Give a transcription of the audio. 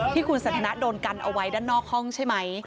ที่คุณสันทนาโดนกันเอาไว้ด้านนอกห้องใช่ไหม